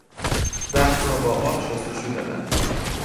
زخم را با آب شستشو دادن